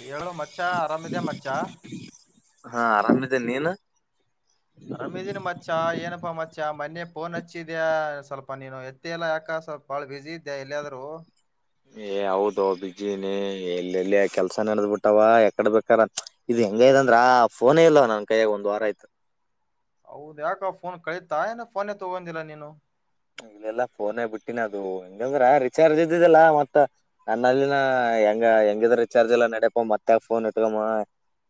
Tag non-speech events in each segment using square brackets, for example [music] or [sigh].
ಹೇಳೋ ಮಚ್ಚ ಆರಾಮ್ ಇದಿಯೋ ಮಚ್ಚ ಹಾ ಆರಾಮ್ ಇದ್ದೀನಿ ನೀನು ಆರಮ್ ಇದೀನ್ ಮಚ್ಚ ಏನಪ್ಪಾ ಮಚ್ಚ ಮಾನೇ ಪೋನ್ ಹಚ್ಚಿದಿಯ ಸ್ವಲ್ಪ ನೀನು ಮತ್ತ್ ಎಲ್ಲಾಕ ಸ್ವಲ್ಪ ಬಾಳ್ ಬಿಸಿ ಇದ್ದೆ ಎಲ್ಲಾದ್ರು. ಏ ಹೌದು ಬಿಜಿನೇ ಎಲ್ಲೆಲ್ಲಿ ಕೆಲಸ ನೆಡೆದ್ ಬಿಟ್ಟಾವ ಯಕಡ್ ಬೇಕಾರ್ ಇದು ಹೆಂಗೈ ಅಂದ್ರೆ ಪೋನೇ ಇಲ್ಲ ನನ್ ಕೈಯಾಗ ಒಂದು ವಾರಯ್ತು. ಹೌದ ಯಾಕ್ ಪೋನ್ ಕಳೀತಾ ಏನೋ ಪೋನೆ ತಗೊಂಡಿಲ್ಲ ನೀನು. ಇಲ್ಲಲ್ಲಾ ಪೋನೇ ಬಿಟ್ಟಿನ ಅದು ಹೆಂಗಂದ್ರೆ ರಿಚಾರ್ಜ್ ಇದ್ದಿದ್ದಲ್ಲ ಮತ್ತ್ ನನ್ನ ಅಲ್ಲಿನ ಹೆಂಗ ಹೆಂಗಿದ್ರೂ ರಿಚಾರ್ಜ್ ಎಲ್ಲಾ ನಡಿಪ್ಪ ಮತ್ತ್ ಆಗ ಪೋನ್ ಇತ್ಕೊಮ್ಮ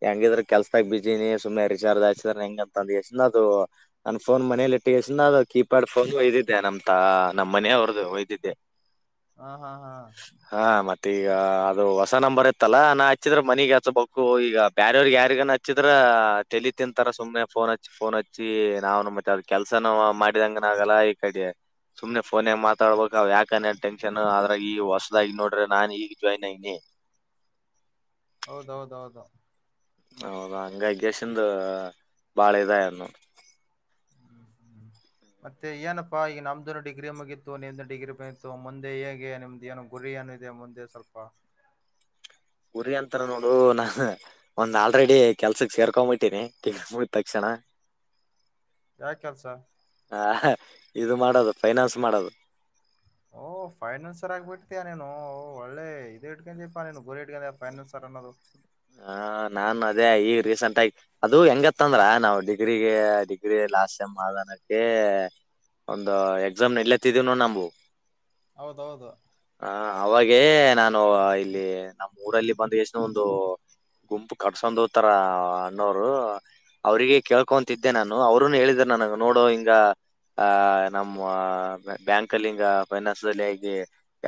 ಹೆಂಗಿದ್ರೆ ಕೆಲ್ಸದಾಗ ಬಿಜಿನಿ ಸುಮ್ಮನೆ ರಿಚಾರ್ಜ್ ಹಾಕಸಿದ್ರೆ ಹೆಂಗಂತ್ ಎಷ್ಟನ ಅದು ನನ್ನ ಪೋನ್ ಮನೇಲಿ ಎಟ್ಟೇಸಂದ್ ಅದು ಕೀಪ್ಯಾಡ್ ಪೋನ್ ಇಟ್ ಏನಂತ ನಮ್ಮ್ ಮನೆ ಅವ್ರ್ದ ಒಯ್ದಿದ್ದೆ. ಹಾ ಹಾ ಹಾ ಹಾ ಮತ್ತೆ ಈಗ ಅದು ಹೊಸ ನಂಬರ್ ಇತ್ತಲ್ಲಾ ನಾ ಹಚ್ಚಿದ್ರೆ ಮನಗ್ ಹಚ್ಬೇಕು ಈಗ ಬೇರವ್ರಿಗೆ ಯಾರಿಗಾನ ಹಚ್ ಹಚ್ಚಿದ್ರೆ ತೆಲಿ ತಿಂತಾರ ಸುಮ್ಮ್ನೆ ಪೋನ್ ಹಚ್ಚಿ ಪೋನ್ ಹಚ್ಚಿ ನಾವ್ನು ಮತ್ತೆ ಅವ್ ಕೆಲ್ಸನೂ ಮಾಡಿದಂಗ್ ಆಗಲ್ಲ ಈ ಕಡಿ ಸುಮ್ಮನೆ ಪೋನಾಗ ಮಾತಾಡ್ಬೇಕು ಯಾಕನೇ ಟೆನ್ಷನ್ ಆದ್ರಾಗ ಈಗ ಹೊಸದಾಗಿ ನೋಡ್ರಿ ನಾನ್ ಈಗ್ ಜಾಯ್ನ್ ಆಗಿ ಹೌದೌದೌದು ಹೌದಾ ಹಂಗಗಿ [unintelligible] ಬಾಳ ಇದಾಗದ್ ನೋಡು. ಹ್ಮ್ ಹ್ಮ್ ಮತ್ತೆ ಏನಪ್ಪಾ ಈಗ ನಮ್ದನ್ ಡಿಗ್ರಿ ಮುಗಿತ್ತು ನಿಮ್ದ ಡಿಗ್ರಿ ಮುಗಿತ್ತು ಮುಂದೆ ಹೇಗೆ ನಿಮ್ದ ಏನು. ಗುರಿ ಏನಿದೆ ಮುಂದೆ ಸ್ವಲ್ಪ. ಗುರಿ ಅಂತಾರೆ ನೋಡು. ಒಂದ್ ಆಲ್ರೆಡಿ ಕೆಲ್ಸಕ್ ಸೇರ್ಕೊಬಿಟ್ಟೀನಿ ಮುಗಿದ ತಕ್ಷಣ. ಯಾವ ಕೆಲ್ಸ ಹ ಇದು ಮಾಡೋದು ಫೈನಾನ್ಸ್ ಮಾಡೋದು. ಓ ಫೈನ್ಸಸರ್ ಆಗಿಬಿಟ್ಟತೀಯ ನೀನು ಓ ಒಳ್ಳೆ ಇದು ಇಟ್ಟುಕೊಂಡಿದೀಯಪ್ಪ ನೀನು ಗುರಿ ಇಟ್ಟುಕೊಂಡು ಫೈನಾನ್ಸರ್ ಅನ್ನೋದು. ಹ ನಾ ಅದೇ ಈಗ ರೀಸೆಂಟ್ ಆಗಿ ಅದು ಹೆಂಗತ್ತ ಅಂದ್ರ ನಾವು. ಡಿಗ್ರಿಗೆ ಡಿಗ್ರಿ ಲಾಸ್ಟ್ ಸೇಮ್ ಆದ ಅನ್ನಕ್ಕೆ. ಒಂದ್ ಎಕ್ಸಾಮ್ ಎಲ್ಲತ್ತಿದೀವನೋ ನಾವು. ಹೌದೌದು ಹ ಅವಾಗೇ ನಾನು ಇಲ್ಲಿ ನಮ್ಮ ಊರಲ್ಲಿ ಬಂದ ಎಷ್ಟನೋ ಒಂದು. ಗುಂಪು ಕಡ್ಸೊಂಡ ಹೋಗತಾರ ಅನ್ನೋರು. ಅವ್ರಿಗೆ ಕೇಳ್ಕೊಂತ ಇದಿದ್ದೆ ನಾನು ಅವರುನು ಹೇಳಿದ್ರ ನನಗ ನೋಡು ಹಿಂಗ. ಆ ನಮ್ಮ ಬ್ಯಾಂಕ್ಲ್ಲಿ ಹಿಂಗ ಫೈನಾಸ್ ಅಲ್ಲಿ ಇದೆ.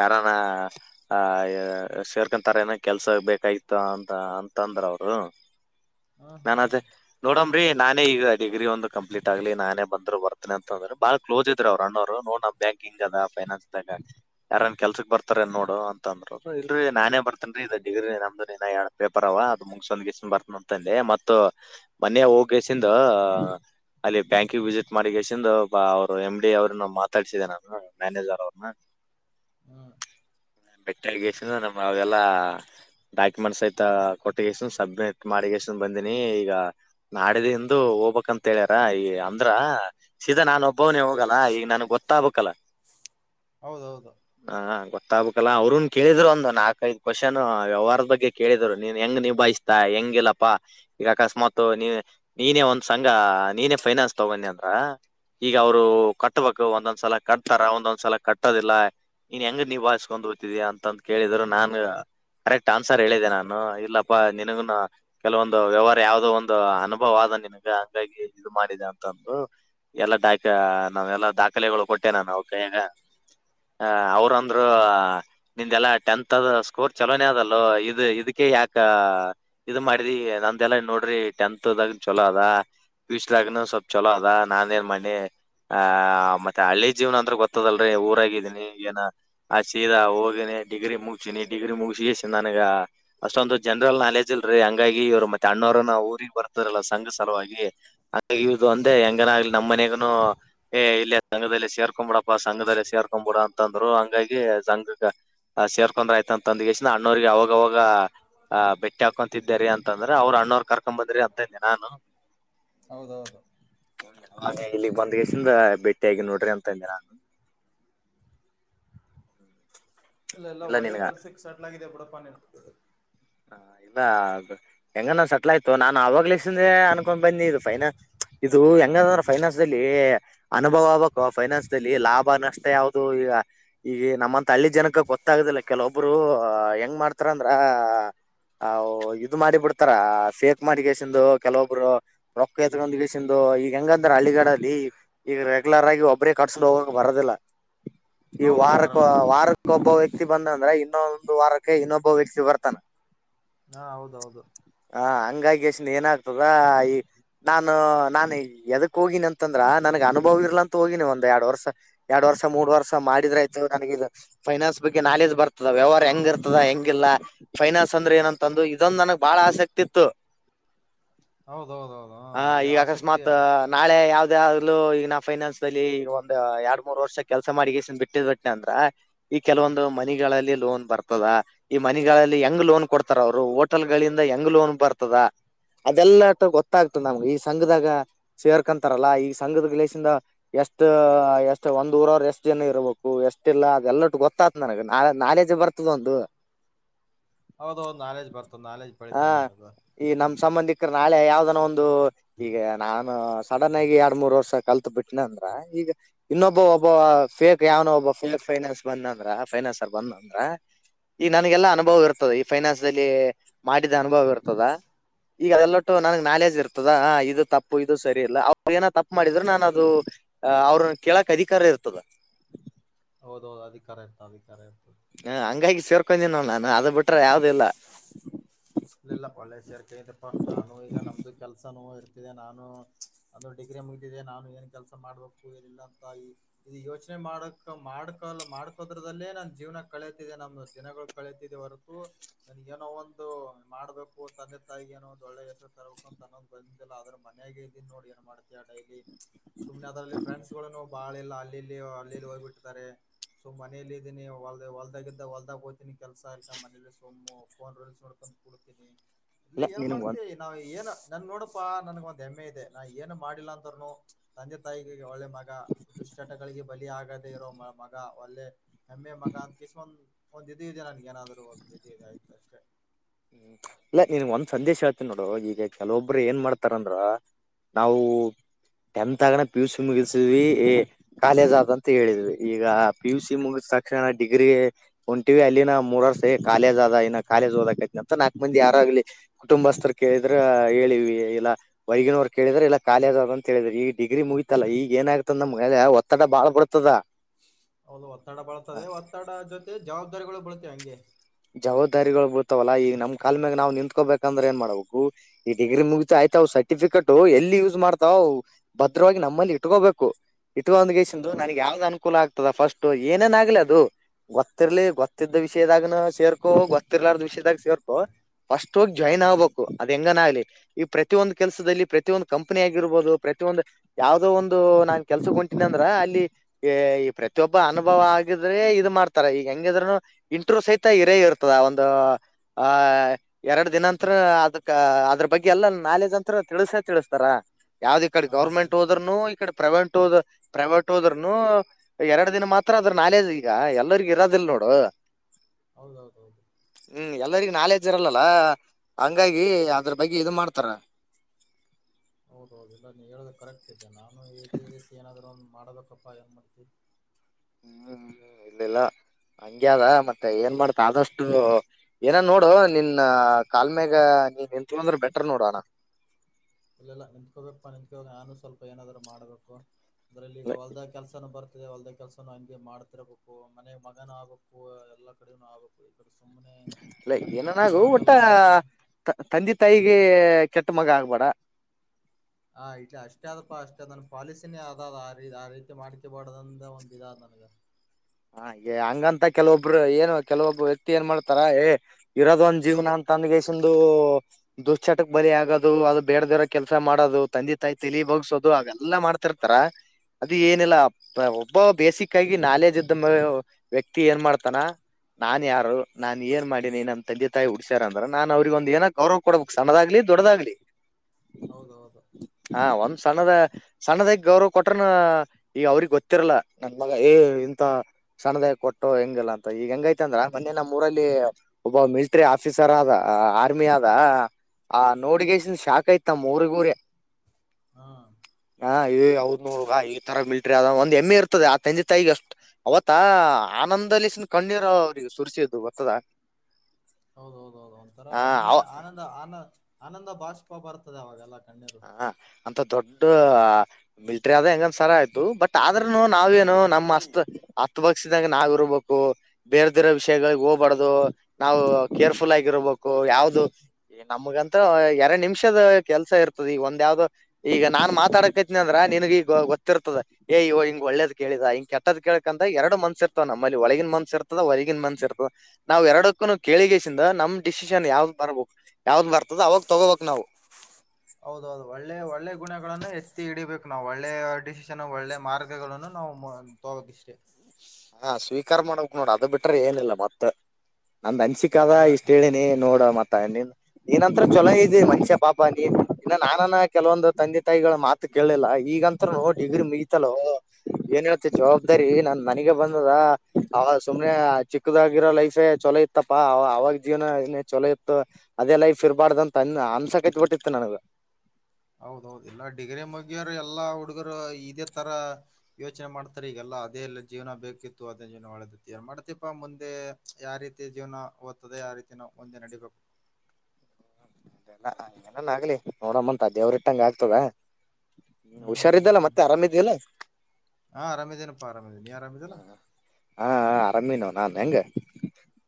ಯಾರಾನ ಆ ಸೇರ್ಕೊತಾರ ಏನ ಕೆಲ್ಸ ಬೇಕಾಗಿತ್ತು ಅಂತ. ಅಂತ ಅಂದ್ರು ಅವರು ಹ್ಮ್ ನಾನು ಹ್ಮ್ ಅದೇ. ನೋಡಮ್ರಿ ನಾನೇ ಈಗ ಡಿಗ್ರಿ ಒಂದು ಕಂಪ್ಲೀಟ್ ಆಗ್ಲಿ ನಾನೇ ಬಂದ್ರು ಬರ್ತನನೆ ಅಂತ ಅಂದ್ರೆ ಬ. ಕ್ಲೋಸ್ ಇದ್ರು ಅವರು ಅಣ್ಣ ಅವ್ರು ನೋಡು ನಮ್ಮ ಬ್ಯಾಂಕಿಂಗ್ ಅದ ಫೈನಾಸದಾಗ. ಯಾರನ್ ಕೆಲ್ಸಕ್ ಬರ್ತಾರ ನೋಡು ಅಂತ ಅಂದ್ರ ಇಲ್ರರಿ ನಾನೇ ಬರ್ತೇನ್ರೀ ಇದ ಡಿಗ್ರಿ ನಮ್ದುನ ಪೇಪರ್ವ ಅದು ಮುಂಗಸಂದಗಿಸ್ಕೊಂಡು ಬರ್ತನಂತಂದೆ ಮತ್ತ ಮನೆ ಹೋಗಸಿದು. ಅಲ್ಲಿ ಬ್ಯಾಂಕಿಗೆ ವಿಸಿಟ್ ಮಾಡಿಸಂದು ಅವರು ಎಮ್ ಡಿ ಅವ್ರನ್ನ ಮಾತಾಡ್ಸಿದೆ ನಾನು ಮ್ಯಾನೇಜರ್ ಅವ್ರನ್ನ. [inaudible] ಹ್ಮ [unintelligible] ನಮ್ ಅವೆಲ್ಲ ಡಾಕ್ಯುಮೆಂಟ್ಸ್ ಐತೆ. ಕೊಟ್ಟಿಗೆಷ್ಟ ಸಬ್ಮಿಟ್ ಮಾಡಿ ಎಷ್ಟನ್ ಬಂದಿನಿ ಈಗ ನಾಡಿದಿಂದು ಹೋಗ್ಬಕ್ಂತ ಹೇಳ್ಯಾರ ಈ ಅಂದ್ರ ಸೀದಾ ನಾನ ಒಬ್ಬವನ ಹೋಗಲ್ಲ ಈಗ ನನ್ಗ್ ಗೊತ್ತಬೇಕಲ್ಲ. ಹೌದೌದು ಹಾ ಗೊತ್ತಾಗ್ಬೇಕಕ್ಲ್ಲಾ ಅವ್ರರುನ್ ಕೇಳಿದ್ರು ಒಂದಂದು ನಾಲಕ್ ಇದೂ ಕ್ವೆಶ್ಚನ್ ಆ ವ್ಯವಹಾರದ ಬಗ್ಗೆ. ಕೇಳಿದ್ರು ನೀನ್ ಹೆಂಗ ನಿಭಾಯಿಸ್ತಾ ಹೆಂಗಿಲ್ಲಪ್ಪಾ. ಈಗ ಅಕಸ್ಮಾತ್ ನೀ ನೀನೇ ಒಂದ್ ಸಂಘ ನೀನೇ ಫೈನಾನ್ಸ್ ತಗೊಂಡಿ ಅಂದ್ರ. ಈಗ ಅವ್ರು ಕಟ್ಬೇಕು ಒಂದೊಂದ್ ಸಲ ಕಟ್ತಾರೆ ಒಂದೊಂದ್ ಸಲ ಕಟ್ಟೋದಿಲ್ಲ. ನೀನ್ ಹೆಂಗ ನಿಭಾಯಿಸಿಕೊಂಡ್ ಹೋಗತಿದೀಯ ಅಂತಂತ ಕೇಳಿದ್ರು ನಾ ಕರೆಕ್ಟ್ ಆನ್ಸರ್. ಹೇಳಿದೆ ನಾನು ಇಲ್ಲಪ್ಪಾ ನಿನಗುನು. ಕೆಲವೊಂದು ವ್ಯವಹಾರ ಯಾವ್ದೋ ಒಂದು ಅನುಭವ ಅದ ನಿನ್ಗ ಹಂಗಾಗಿ ಇದು ಮಾಡಿದೆ ಅಂತದ್ರು. ಎಲ್ಲಾ ದಾಖ ನಾವೆಲ್ಲ ದಾಖಲೆಗಳು ಕೊಟ್ಟೆ ನಾನು ಅವರ ಕೈಯಾಗ. ಅ ಅವರುಂದ್ರು ನಿಂದೆಲ್ಲಾ ಟೆಂತ್ದ ಸ್ಕೋರ್ ಚಲೋನೇ ಅದಲ್ಲೋ. ಇ ಇದಕ್ಕೆ ಯಾಕ ಇದು ಮಾಡಿದಿ ನಂದೆಲ್ಲ ನೋಡ್ರಿ ಟೆಂತ್ದಾಗ ಚಲೋ ಅದ. ಪಿ ಯು ಸಿ ದಾಗಲೂನು ಸ್ವಲ್ಪ ಚಲೋ ಅದ ನಾನೇ ಏನ್ ಮಾಡ್ಲಿ ಆಹ ಮತ್ತೆ ಹಳ್ಳಿ ಜೀವನ ಅಂದ್ರೆ ಗೊತ್ತದಲ್ರರಿ ಊರಾಗಿದ್ದೀನಿ ಏನ. ಆ ಸೀದಾ ಹೋಗಿನಿ ಡಿಗ್ರಿ ಮುಗ್ಸಿನಿ ಡಿಗ್ರಿ ಮುಗಿಸಿ ಈಗ ನಂಗ. ಅಷ್ಟೊಂದು ಜನರಲ್ ನಾಲೆಜ್ ಇಲ್ರೀ ಹಂಗಾಗಿ ಇವ್ರು ಮತ್ತೆ ಅಣ್ಣೋರ್ ನಾವ್ ಊರಿಗ್ ಬರ್ತಿರಲ್ಲ ಸಂಘದ್ ಸಲುವಾಗಿ ಅತಗ್ ಇದ್ ಒಂದೆ ಹೆಂಗಾನ ಆಗ್ಲಿ ನಮ್ಮ್ ಮನೆಗುನೂ ಏ ಇಲ್ಲೇ ಸಂಘದಲ್ಲಿ ಸೇರ್ಕೊನ್ಬಿಡಪ್ಪಾ ಸಂಘದಲ್ಲಿ ಸೇರ್ಕೊನ್ಬಿಡೋ ಅಂತಂದ್ರು ಹಂಗಾಗಿ ಸಂಘಕ್ ಸೇರ್ಕೊಂಡ್ರ ಆಯ್ತ್ ಅಂತ್ ಅಂದಗೆಸ್ನಿಂದ್ ಅಣ್ಣವ್ರಿಗ ಅವಗ ಅವಾಗ ಆ ಬೆಟ್ಟಿ ಹಾಕೊಂತಿದ್ದೆರ್ ಹೆ ಅಂತ ಅಂದ್ರ ಅವ್ರ್ ಅಣ್ಣವ್ರ್ ಕರ್ಕೊಂಬಂದ್ರಿ ಅದನೈದ್ ದಿನ್ ಅನ್ನೊದ್ ಹೌದೌದು ಹ್ಮ ಅದೇ ಇಲ್ಲಿಗ್ ಬಂದಗೆಸಿಂದ ಭೇಟ್ಟಿಯಾಗಿನ್ ನೋಡ್ರಿ ಅಂತ ಅಂದೆ ನಾನ್ ಇಲ್ಲ ಇಲ್ಲ ಒಳ್ಳೆ ಕೆಲ್ಸಕ್ ಸೆಟ್ಲ್ ಆಗಿದ್ಯ ಬುಡಪ್ಪಾನಿನ್ ಹ ಇಲ್ಲಾ ಹೆಂಗಾ ನ ಸೆಟ್ಲ್ ಆಯ್ತು ನಾನ್ ಅವಾಗ್ಲೆಸಿಂದೆ ಅನ್ಕೊಂದ್ ಬಂದಿದ್ ಇದ್ ಫೈನಲ್ ಇದು ಹೆಂಗಂದ್ರಂದ ಫೈನಾನ್ಸ್ಲ್ಲಿ ಅನುಭವ ಆಗ್ಬೇಕು ಫೈನಾನ್ಸ್ ದಲ್ಲಿ ಲಾಭ ನಷ್ಟ ಯಾವ್ದು ಈಗ ಈಗ ನಮ್ಮಂತ ಹಳ್ಳಿ ಜನಕ ಗೊತ್ತಾಗದಿಲ್ಲ ಕೆಲವೊಬ್ಬ್ರು ಹೆಂಗ್ ಮಾಡ್ತಾರ ಅಂದ್ರ ಹೌ ಇದು ಮಾಡಿ ಬಿಡ್ತಾರಾ ಫೇಕ್ ಮಾಡಿಕೇಶಿಂದು ಕೆಲವೊಬ್ರು ರೊಕ್ಕ್ ಎತ್ಕೋಂಡಗೆಸಿಂದು ಈಗ ಹೆಂಗಂದ್ರ ಹಳ್ಳಿಗಡಲ್ಲಿ ಈಗ ರೆಗ್ಯುಲರ್ ಆಗಿ ಒಬರೇ ಕಟ್ಸೊಂಡು ಹೋಗಕ್ ಬರದಿಲ್ಲ ಈ ಹೌದೌದು ವಾರಕ್ಕ್ ಬರಲ್ಲ ಬರಲ್ಲ ವಾರ ಒಬ್ಬ ವ್ಯಕ್ತಿ ಬಂದನಂದ್ರ ಇನ್ನೊಂದು ವಾರಕ್ಕ ಇನ್ನೊಬ್ಬ ವ್ಯಕ್ತಿ ಬರ್ತಾನ ಹಾ ಹೌದೌದು ಹ ಹಂಗಾಗಿಗೆಶಿಂದ್ ಏನಾಗ್ತದಾ ಈ ನಾನು ನಾನ್ ಎದಕ್ ಹೋಗಿನಿ ಅಂತಂದ್ರ ನನ್ಗ್ ಅನುಭವ ಇರ್ಲ ಅಂತ ಹೋಗಿನಿ ಒಂದ್ ಎರಡ್ ವರ್ಷ ಎರಡ್ ವರ್ಷ ಮೂರ್ ವರ್ಷ ಮಾಡಿದ್ರ್ ಆಯ್ತು ನನಿಗ್ ಇದು ಫೈನಾನ್ಸ್ ಬಗ್ಗೆ ನಾಲೆಜ್ ಬರ್ತದ್ ವ್ಯವ್ಹಾರ ಹೆಂಗ್ ಇರ್ತದೆ ಹೆಂಗಿಲ್ಲ ಫೈನಾನ್ಸ್ ಅಂದ್ರೆ ಏನಂತಂದು ಇದೊಂದು ನನಗ್ ಬಾಳ ಆಸಕ್ತಿ ಇತ್ತು ಹೌದೌದೌದು ಆ ಇದು ಈಗ ಅಕಸ್ಮಾತ್ ಆಸಕ್ತಿಯಾ ನಾಳೆ ಯಾವ್ದಾದ್ಲು ಈಗ ನಾ ಫೈನಾನ್ಸ್ಲಿ ಈಗ ಒಂದ್ ಎರಡ್ ಮೂರ್ ವರ್ಷ ಕೆಲ್ಸ ಮಾಡ್ಗಿಸಿ ಬಿಟ್ಟಿಗಿಟ್ಟಿನ್ ಅಂದ್ರ ಈಗ ಕೆಲವೊಂದು ಮನಿಗಳಲ್ಲಿ ಲೋನ್ ಬರ್ತದ ಈ ಮನಿಗಳಲ್ಲಿ ಹೆಂಗ್ ಲೋನ್ ಕೊಡ್ತಾರ ಅವರು ಹೋಟೆಲ್ಗಳಿಂದ ಹೆಂಗ್ ಲೋನ್ ಬರ್ತದ ಅದೆಲ್ಲಟ ಗೊತ್ತಾಗ್ತದ ನಮ್ಗ ಈಗ ಸಂಘದಾಗ ಸೇರ್ಕಂತಾರಲ್ಲ ಈಗ ಸಂಘದಲಾಶಿಂದ ಎಷ್ಟ್ ಎಷ್ಟ್ ಒಂದ್ ಊರವ್ರು ಎಷ್ಟ್ ಜನ ಇರಬೇಕು ಎಷ್ಟಿಲ್ಲಾ ಅದೆ ಎಲ್ಲಟ್ಟು ಗೊತ್ತಗ್ತದ್ ನನಗ ನ ನಾಲೇಜ್ ಬರ್ತ ಬರ್ತದ ಅದು ಹೌದೌದು ನಾಲೆಜ್ ಬರ್ತದ ನಾಲೆಜ್ ಆ ಬೆಳಿತದ್ ನಿನಗು ಈ ನಮ್ ಸಂಬಂಧಿಕರು ನಾಳೆ ಯಾವ್ದನೋ ಒಂದು ಈಗ ನಾನು ಸಡನ್ ಆಗಿ ಎರಡ್ ಮೂರ್ ವರ್ಷ ಕಲ್ತ್ ಬಿಟ್ಟನ ಅಂದ್ರ ಈಗ ಇನ್ನೊಬ್ಬ ಒಬ್ಬವ್ ಫೇಕ್ ಯಾವನೋ ಒಬ್ಬ ಫೇಕ್ ಫೈನಾನ್ಸ್ ಬಂದನಂದ್ರ ಫೈನಾನ್ಸರ್ ಬಂದನಂದ್ರ ಈಗ ನನ್ಗ ಎಲ್ಲಾ ಅನುಭವ ಇರ್ತದ ಈ ಫೈನಾನ್ಸದಲ್ಲಿ ಮಾಡಿದ್ದ ಅನುಭವ ಇರ್ತದ ಈಗ ಅದೆಲ್ಲೊಟ್ಟು ನನ್ಗ್ ನಾಲೇಜ್ ಇರ್ತದ ಇದ್ ತಪ್ಪು ಇದು ಸರಿ ಇಲ್ಲ ಅವ್ರು ಏನ್ ತಪ್ಪ್ ಮಾಡಿದ್ರರು ನಾನು ಅದು ಅ ಅವ್ರನ್ನ ಕೇಳಕ್ ಅಧಿಕಾರ ಇರ್ತದ ಹೌದೌದು ಅಧಿಕಾರ ಇರ್ತ ಅಧಿಕಾರ ಇರ್ತ ಹ ಹಂಗಾಗಿ ಸೇರ್ಕೊಂಡಿನಿನ ನೋಡ್ ನಾನು ಅದು ಬುಟ್ರ ಯಾವ್ದ ಇಲ್ಲ ಇಲ್ಲ ಇಲ್ಲ ಒಳ್ಳೆ ಸೇರ್ ಕೆಂದಿದಪ್ಪಾ ನಾನು ಈಗ ನಮ್ದು ಕೆಲ್ಸನೋ ಇರ್ತಿದೆ ನಾನು ಅದು ಡಿಗ್ರಿ ಮುಗಿದಿದೆ ನಾನು ಏನ್ ಕೆಲಸ ಮಾಡ್ಬೇಕು ಏನಿಲ್ಲ ಅಂತ ಈ ಇದು ಯೋಚನೆ ಮಾಡಕ್ ಮಾಡ್ಕಲ್ ಮಾಡ್ಕೋದ್ರದಲ್ಲೇ ನಾನ್ ಜೀವನ ಕಳೆತಿದೆ ನಮ್ದ ದಿನಗಳು ಕಳತಿದೆ ಹೊರ ತು ನನ್ಗ ಏನೋ ಒಂದು ಮಾಡ್ಬೇಕು ತಂದೆ ತಾಯಿಗ್ ಏನೋ ಒಂದು ಒಳ್ಳೆ ಹೆಸರು ತರಬೇಕಂತನ್ನೊದು ಬಂದಿಲ್ಲ ಅದ್ರ ಮನ್ಯಾಗ ಇದೀನಿ ನೋಡಿ ಏನ್ ಮಾಡ್ತೀಯ ಡೈಲಿ ಸುಮ್ಮನೆದರಲ್ಲಿ ಫ್ರೆಂಡ್ಸ್ಗಳುನು ಬಾಳಿಲ್ಲ ಅಲ್ಲ ಅಲ್ಲಿಲ್ಲಿ ಹೋಗ್ಬಿಟ್ಟದಾರೆ ಸೊ ಮನೇಲಿ ಇದ್ದಿನಿ ಹೊಲ್ದಾಗ ಇದ್ದಾಗ ಹೊಲ್ದಾಗ ಹೋಗ್ತೀನಿ ಕೆಲಸ ನಮ್ಮ ಮನೆಲೇ ಸುಮ್ಮು ಫೋನ್ ರೀಲ್ಸ್ ನೋಡ್ಕೊಂಡು ಕುಡ್ತೀನಿ ಇಲ್ಲ ಏನ್ ನಿನಗ್ ಒಂದ್ ಮಾಡ್ತಿ ನಾವ್ ಏನು ನನ್ ನೋಡಪಾ ನನ್ಗ ಒಂದ್ ಹೆಮ್ಮೆ ಇದೆ ನಾ ಏನು ಮಾಡಿಲ್ಲಾ ಅಂದ್ರನು ತಂದೆ ತಾಯಿಗೆ ಹೋಳ್ಳೆ ಮ ದುಶ್ಚಟಗಳಿಗೆ ಬಲಿ ಆಗದೆೇ ಇರೋ ಮಗ ಒಳ್ಳೆ ಹೆಮ್ಮೆ ಮಗ ಅಂದಕೆಸದ ಒಂದು ಒಂದ್ ಇದು ಇದೆ ನನ್ಗೆ ಏನಾದ್ರು ಒಂದ್ ಇದ ಇದೆ ಆಯತು ಅಷ್ಟೆ ಇಲ್ಲ ನೀನ್ ಒಂದ್ ಸಂದೇಶ ಹೇಳ್ತೀನಿ ನೋಡು ಈಗ ಕೆಲವೊಬ್ರು ಏನ್ ಮಾಡ್ತಾರಂದ್ರ ನಾವು ಟೆಂತ್ ಆಗನ ಪಿ ಯು ಸಿ ಮುಗಸಿದ್ವಿ ಕಾಲೇಜ್ ಆದಂತ ಹೇಳಿದ್ವಿ ಈಗ ಪಿ ಯು ಸಿ ಮುಗಿದ ತಕ್ಷಣ ಡಿಗ್ರಿ ಒಂಟಿವವಿ ಅಲ್ಲಿನ ಮೂರ್ ವರ್ಷ ಕಾಲೇಜ್ ಆದ ಇನ್ನ ಕಾಲೇಜ್ ಓದಕೈತಿನ ಅಂತ ನಾಕ್ ಮಂದಿ ಯಾರಾಆಗ್ಲಿ ಕುಟುಂಬಸ್ಥರ್ ಕೇಳಿದ್ರ ಹೇಳಿವಿ ಇಲ್ಲ ಹೋರಗಿನ್ರು ಕೇಳಿದ್ರ ಇಲಾ ಕಾಲದ ಅಂತ ಹೇಳಿದ್ರ ಈಗ ಡಿಗ್ರಿ ಮುಗಿತಲ್ಲ ಈಗ ಏನ ಆಗತ ನಮಗ ಒತ್ತಡ ಬಾಳ ಬರುತದಾ ಹೌದು ಒತ್ತಡ ಬಳತದೆ ಒತ್ತಡ ಜೊತೆ ಜವಾಬ್ದಾರಿಗಳು ಬಿಳತವೆ ಹಂಗೆ ಜವಾಬ್ದಾರಿಗಳು ಬಿಳತ್ತವಲ್ಲಾ ಈಗ ನಮ್ ಕಾಲ್ ಮ್ಯಾಗ ನಾವು ನಿಂತ್ಕೋಬೇಕಂದ್ರೆ ಏನ್ ಮಾಡ್ಬೇಕು ಈ ಡಿಗ್ರಿ ಮುಗತಾ ಆಯ್ತ್ ಸರ್ಟಿಫಿಕೇಟು ಎಲ್ಲಿ ಯೂಸ್ ಮಾಡ್ತಾವವು ಭದ್ರವಾಗಿ ನಮ್ಮಲ್ಲಿ ಇಟ್ಕೋಬೇಕು ಇಟ್ಕೊಂದಕೇಸಿ ಹೌದು ನನಗ್ ಯಾವ್ದ್ ಅನುಕೂಲ ಆಗ್ತದ ಫಸ್ಟ್ ಏನೇನ ಆಗ್ಲಿ ಅದು ಗೊತ್ತಿರ್ಲಿ ಗೊತ್ತಿದ್ದ ವಿಷಯದಾಗನ ಸೇರ್ಕೋ ಗೊತ್ತಿರ್ಲಾರ ವಿಷಯದಾಗ ಸೇರ್ಕೋ ಫಸ್ಟಹೋಗಿ ಜಾಯ್ನ್ ಆಗ್ಬೇಕು ಅದ್ ಹೆಂಗನಾಗ್ಲಿ ಈ ಪ್ರತಿಯೊಂದು ಕೆಲ್ಸದಲ್ಲಿ ಪ್ರತಿಯೊಂದು ಕಂಪನಿ ಆಗಿರ್ಬೋದು ಪ್ರತಿಯೊಂದು ಯಾವ್ದೋ ಒಂದು ನಾನ್ ಕೆಲ್ಸ ಹೊಂಟಿದ್ದೆ ಅಂದ್ರ ಅಲ್ಲಿ ಈ ಪ್ರತಿಯೊಬ್ಬ ಅನುಭವ ಆಗಿದ್ರೆ ಇದು ಮಾಡ್ತಾರ ಈಗ ಹೆಂಗಿದ್ರನು ಇಂಟ್ರು ಸಹಿತ ಮತ್ತ ಹಿರ ಇರ್ತದ ಒಂದು ಆಹ ಎರಡ್ ದಿನ ಅಂತತ್ರ ಅದಕ್ ಅದ್ರ ಬಗ್ಗೆ ಎಲ್ಲಾ ನಾಲೆಜ್ ಅಂತ್ರ ತಿಳಸೆ ತಿಳಸ್ತಾರ ಯಾವ್ದ್ ಇ ಕಡೆ ಹಾ ಗೌರ್ಮಂಟ್ ತಿಳಿಸಿ ಹೋದ್ರುನು ತಿಳಿಸಿ ಈ ಕಡೆ ಪ್ರೈವೇಟ್ ಹೋದ ಪ್ರೈವೇಟ್ ಹೋದ್ರನು ಎರಡ್ ದಿನ ಮಾತ್ರ ಅದ್ರ ನಾಲೇಜ್ ಈಗ ಎಲ್ಲರಿಗೊ ಇರೋದಿಲ್ಲ ನೋಡು ಹೌದೌದ ಹೌದು ಹ್ಮ್ ಎಲ್ಲರಿಗೂ ನಾಲೆಜ್ ಇರಲ್ಲಲ್ಲ ಹಂಗಾಗಿ ಅದ್ರ ಬಗ್ಗೆ ಇದ ಮಾಡ್ತಾರ ಹೌದೌದು ಇಲ್ಲ ನೀ ಹೇಳೋದು ಕರೆಕ್ಟ್ ಇದೆ ನಾನು ಇದೇ ರೀತಿ ಏನಾದ್ರೂ ಒಂದು ಮಾಡಬೇಕಪ್ಪಾ ಏನ್ ಮಾಡತ್ತಿ ಹ್ಮ್ ಇಲ್ಲಾ ಹಂಗೆ ಅದ ಮತ್ತೆ ಏನ್ ಮಾಡ್ತ ಆದಷ್ಟು ಏನ ನೋಡು ನಿನ್ ಕಾಲ್ ಮ್ಯಾಗ ನೀನ್ ನಿಂತ್ಂದ್ರ ಬೆಟರ್ ನೋಡ ಅಣ್ಣಾ ಇಲ್ಲಲ್ಲ ನಿತ್ಕೋಬೇಕಪ್ಪ ನಿಂತ್ಕ ಹೋಗ ನಾನು ಸ್ವಲ್ಪ ಏನಾದ್ರು ಮಾಡ್ಬೇಕು ಅ್ರಲ್ಲಿ ಈಗ ಹೊಲದ ಕೆಲ್ಸನ ಬರ್ ಹೊಲ್ದ ಕೆಲ್ಸನು ಹಂಗೆ ಮಾಡ್ತಿರಬೇಕು ಮನೆಗ್ ಮಗನ ಆಗಬೇಕು ಎಲ್ಲಾ ಕಡೆನು ಆಗ್ಬೇಕು ಈ ಕಡೆ ಸುಮ್ಮನೆ ಇಲ್ಲ ಮನೆಗೆ ಮಗನು ಏನನಾಗು ಒಟ್ಟ ಆಗಲ್ಲ ಆಕಡೆ ತಂದೆ ತಾಯಿಗೆ ಕೆಟ್ಟ ಮಗ ಆಗ್ಬೇಡ ಹ ಇಟ್ಲಿ ಅಷ್ಟೇ ಆದಪ್ಪಾ ಅಷ್ಟ ನನ್ನ ಪಾಲಿಸಿನೇ ಅದ ಆ ಆದ ರೀತಿ ಮಾಡ್ಕಬಾರಡದಂದ ಒಂದ ಇದ ನನ್ಗ ಹ ಹಂಗಂತ ಕೆಲವೊಬ್ರು ಏನು ಕೆಲವೊಬ್ರು ವ್ಯಕ್ತಿ ಏನ್ ಮಾಡ್ತಾರ ಏ ಇರೋದು ಒಂದ ಜೀವನ ಅಂತ ಅಂದಕೆಸಿದು. ದುಶ್ಚಟಕ್ ಬಲಿ ಆಗೋದು ಅದು ಬೇಡದ ಇರೋ ಕೆಲಸ ಮಾಡೋದು ತಂದಿ ತಾಯಿ ತಲಿ ಬಗ್ಸೋದು ಅವೆಲ್ಲಾ ಮಾಡ್ತ ತಾರ ಅದು ಏನಿಲ್ಲ ಒಬ್ಬ ಬೇಸಿಕ್ ಆಗಿ ನಾಲೆಜ್ ಇದ್ದ ವ್ಯಕ್ತಿ ಏನ್ ಮಾಡ್ತಾನ್ ನಾನ್ ಯಾರು ನಾನ್ ಏನ್ ಮಾಡೀನಿ ನ ತಂದೆ ತಾಯಿ ಹುಡ್ಸ್ಯಾರಂದ್ರ ನಾನ್ ಅವ್ರಗ ಒಂದ ಏನೋ ಗೌರವ ಕೊಡ್ಬೇಕು ಸಮಣ್ಣದಾಗ್ಲಿ ದೊಡ್ಡದಾಗ್ಲಿ ಹೌದೌದು ಹಾ ಒಂದ್ ಸಣ್ಣದ ಸಣ್ಣದಾಗಿ ಗೌರವ್ ಕೊಟ್ರನ ಈಗ ಅವ್ರಿಗೆ ಗೊತ್ತಿರಲ್ಲಾ ನನ್ ಮಗ ಎ ಮ ಸಣ್ಣದ ಕೊಟ್ಟು ಹೆಂಗಲ್ಲ ಅಂತ ಈಗ ಹೆಂಗೈತಿ ಅಂದ್ರ ಮೋನ್ನೆ ನಮ್ಮ್ ಊರಲ್ಲಿ ಒಬ್ಬ ಮಿಲ್ಟ್ರಿ ಆಫೀಸರ್ ಆದ ಆರ್ಮಿ ಆದಾ ಆ ನೋಡ್ಗಸ ಶಾಖ ಆಯ್ತಮ್ಮ ಊರಿ ಹೋಗೆ ಹಾ ಹಾ ಈ ಅವದ್ ನೋಡ ವ ಈ ತರ ಮಲ್ಟ್ರಿ ಅದ ಒಂದ್ ಎಮ್ಮೆ ಇರ್ತದೆ ಆ ತಂದೆ ತಾಯಿಗೆ ಅಷ್ಟು ಅವತ್ತಾ ಆನಂದಲಿಸನ್ ಕಣ್ಣೀರ್ ಅವ್ರಿಗೆ ಸುರಿಸ್ದು ಗೊತ್ತದ ಹೌದ ಹೌದ ಹೌದು ಒಂತರ ಹೆಮ್ಮೆ ಆ ಆನಂದ ಆನ ಆನಂದ ಭಾಷ್ಪ ಬರ್ತದೆ ಅವಾಗೆಲ್ಲ ಕಣ್ಣೀರು ಹ ಅಂತ ದೊಡ್ಡ ಮಿಲ್ಟ್ರಿ ಆದ ಹೆಂಗಂದ ಸರ ಆಯ್ತು ಬಟ್ ಆದ್ರೂನು ನಾವೇನು ನಮ್ಮ ಹ್ಮ್ ಅಸ್ತ್ ಹತ್ ಬಗ್ಸಿದಾಗ ನಾವ್ ಇರ್ಬೇಕು. ಬೇರೆದರ್ ವಿಷಯಗಳಿಗೆ ಹೋಗ್ಬಾರ್ದು ನಾವು ಕೇರ್ಫುಲ್ ಆಗಿರ್ಬೇಕು ಯಾವ್ದು ಈ ನಮ್ಗಂತ ಎರಡ್ ನಿಮಿಷದ ಕೆಲ್ಸ ಇರ್ತದೆ ಈಗ ಒಂದ ಯಾವ್ದ ಈಗ ನಾನ್ ಮಾತಾಡಕೈತನಿ ಅಂದ್ರ ನಿನಗ್ ಈಗ ಗೊತ್ತಿರ್ತದ. ಎ ಇವ ಹಿಂಗ ಒಳ್ಳೆದ ಹೇಳಿದ್ ಹಿಂಗ ಕೆಟ್ಟದಾಕ್ಕ್ ಹೇಳಅಂತ ಎರಡು ಮನಸ್ ಇರ್ತಾದ ನಮ್ಮಲ್ಲಿ ಒಳಗಿನ ಮನಸ್ ಇರ್ತದ ಹೊರಗಿನನ್ಸ್ ಇರ್ತದ ನಾವ್ ಎರಡಕ್ಕೂನು ಕೇಳಿಗಸಿಂದ ನಮ್ ಡಿಸಿಷನ್ ಯಾವ್ದ್ ಬರ್ಬಬೇಕಕ್ ಯಾವ್ದ್ ಬರ್ತದ ಅವಾಗ ತಗೋಬೇಕಕ್ ನಾವು. ಹೌದೌದು ಒಳ್ಳೆ ಒಳ್ಳೆ ಗುಣಗಳನ್ನು ಎತ್ತಿ ಹಿಡಿಬೇಕು ನಾವು ಒಳ್ಳೆ ಡಿಸಿಷನ್ ಒಳ್ಳೆ ಮಾರ್ಗಗಳನ್ನು ನಾವು ತಗೋಬೇಕು ಇಷ್ಟೇ.. ಹಾ ಸ್ವೀಕರಾ ಮಾಡಕ್ ನೋಡ ಅದು ಬಿಟ್ರೆ ಏನಿಲ್ಲ ಮತ್ತ ನಂದ್ ಅನ್ಸಿಕ ಕದ ಇಲ್ಲ ಇಷ್ಟ ಹೇಳಿನಿ ನೋಡ ಮತ್ತ ನೀನ್ ಏನಂತ್ರ ಚೊಲೋ ಇದಿ ಮನಸ್ಯಾ ಪಾಪ ನೀ ಇನ್ನ ನಾನಾನ ಕೆಲವೊಂದು ತಂದೆ ತಾಯಿಗಳು ಮಾತ ಕೇಳಿಲ್ಲ ಈಗಂತರು ಡಿಗ್ರಿ ಮುಗಿತಲ್ಲೋ [inaudible] ಏನ್ ಹೇಳ್ತಿ ಜವಾಬ್ದಾರಿ ನಾ ನನಗೆ ಬಂದ ಹೌದಾ ಅವಾಗ ಸುಮ್ನೆ ಚಿಕ್ಕದಾಗಿರೋ ಲೈಫ ಚಲೋ ಇತ್ತಪ್ಪ ಅವ ಅವಾಗ ಜೀವನ ಏ ಚೊಲೋ ಇತ್ತು ಅದೇ ಲೈಫ್ ಇರಬಾರ್ದ ಅಂತ ಅನ್ ಅನ್ಸ ಕತ್ಬಟ್ಟಿತ್ತು ನನಗ ಹೌದೌ ಹೌದು ಇಲ್ಲ ಡಿಗ್ರಿ ಮಗಿಯರು ಎಲ್ಲಾ ಹುಡುಗರು ಇದೇ ತರ ಯೋಚನೆ ಮಾಡ್ತಾರೆ ಈಗಲ್ಲ ಅದೇ ಎಲ್ಲ ಜೀವನ ಬೇಕಿತ್ತು ಅದೇ ಜೀವನ ಒಳ್ಳೆದತಿ ಮಾಡ್ತಪಾ ಮುಂದೆ ಯಾವ ರೀತಿ ಜೀವನ ಓದ್ತದೆ ಆ ರೀತಿ ನಾವು ಮುಂದೆ ನಡೀಬೇಕು. [unintelligible] ನಾನ್ ಆಗ್ಲಿ ನೋಡಮ್ಮಂತ ದೇವ್ರರಿ ಇಟ್ಟಂಗ ಆಗ್ತದ ಹ್ಮ್ ಹ್ಮ್ ಹುಷಾರಿದ್ದಲ್ಲ ಹ್ಮ್ ಮತ್ತೆ ಆರಾಮ ಇದೆಯಲ್ಲಾ ಹಾ ಆರಾಮ ಇದಿದೇನಪ್ಪಾ ಆರಾಮದೀನಿ ನಿ ಆರಾಮದಿ ಇಲ್ಲ ಹಾ ಹಾ ಆರಾಮಿನವ ನಾನ್ ಹೆಂಗ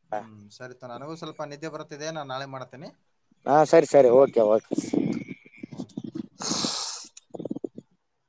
ಹ್ಮ್ ಸರಿ ತಗೋ ನನಗೂ ಸ್ವಲ್ಪ ನಿದ್ದೆ ಬರುತ್ತಿದೆ ನಾನ ನಾಳೆ ಮಾಡತೀನಿ ಹಾ ಸರಿ ಸರಿ ಓಕೆ ಓಕೆ. ಓಕೆ